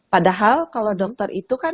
padahal kalau dokter itu kan